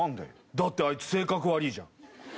だってあいつ性格悪いじゃん。